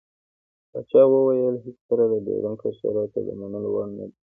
پاچا وويل هېڅکله ډيورند کرښه راته د منلو وړ نه دى.